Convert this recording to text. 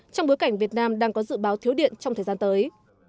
trong bối cảnh việt nam đang có dự báo thiếu điện trong thời gian tới